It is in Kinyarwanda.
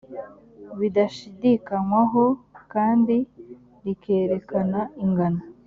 budashidikanywaho kandi rikerekana ingano